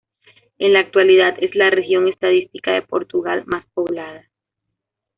En la actualidad es la región estadística de Portugal más poblada.